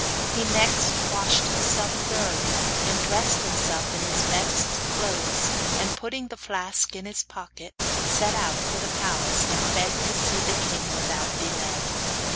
He next washed himself thoroughly, and dressed himself, in his best clothes, and putting the flask in his pocket, set out for the palace, and begged to see the king without delay.